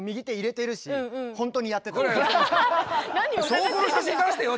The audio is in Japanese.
証拠の写真出してよ